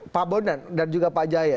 pak bondan dan juga pak jaya